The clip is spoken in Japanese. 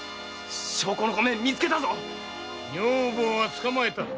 証拠の米見つけたぞ女房は捕まえた。